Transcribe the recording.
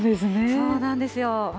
そうなんですよ。